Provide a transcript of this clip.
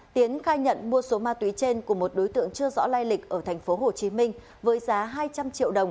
tiến khai nhận mua số ma túy trên của một đối tượng chưa rõ lai lịch ở tp hcm với giá hai trăm linh triệu đồng